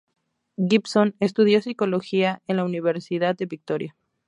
Gibson estudió psicología en la Universidad de Victoria.